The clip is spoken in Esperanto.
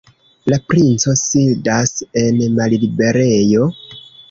La princo sidas en malliberejo?